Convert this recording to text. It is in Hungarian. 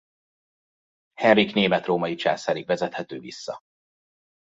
Henrik német-római császárig vezethető vissza.